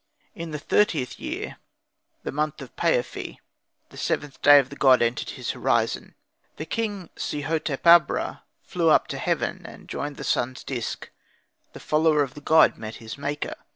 In the thirtieth year, the month Paophi, the seventh day the god entered his horizon, the king Sehotepabra flew up to heaven and joined the sun's disc, the follower of the god met his maker.